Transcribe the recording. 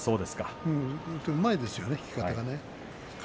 本当にうまいですよね、引き方が。